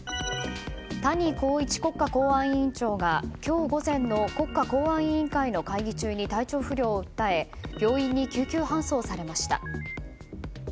谷公一国家公安委員長が今日午前の国家公安委員会の会議中に体調不良を訴え病院に救急搬送されました。